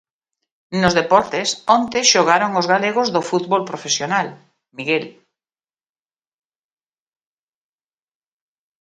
Nos deportes, onte xogaron os galegos do fútbol profesional, Miguel.